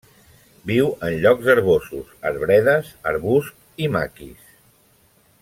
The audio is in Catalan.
Viu en llocs herbosos, arbredes, arbust i maquis.